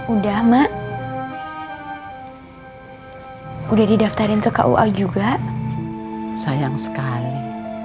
udah mak udah didaftarin ke kua juga sayang sekali